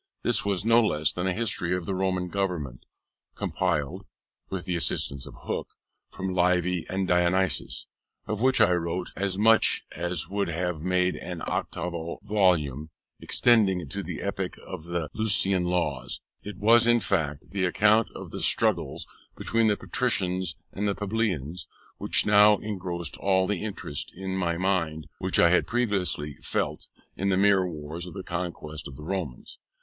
This was no less than a History of the Roman Government, compiled (with the assistance of Hooke) from Livy and Dionysius: of which I wrote as much as would have made an octavo volume, extending to the epoch of the Licinian Laws. It was, in fact, an account of the struggles between the patricians and plebeians, which now engrossed all the interest in my mind which I had previously felt in the mere wars and conquests of the Romans.